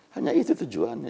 hanya itu tujuannya